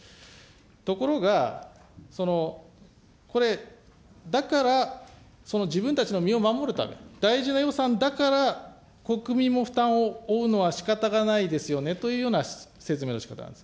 ところが、これ、だから、その自分たちの身を守るため、大事な予算だから国民も負担を負うのはしかたがないですよねというような説明のしかたなんです。